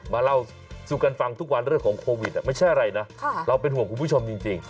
มาเล่าสู่กันฟังทุกวันเรื่องของโควิดไม่ใช่อะไรนะเราเป็นห่วงคุณผู้ชมจริง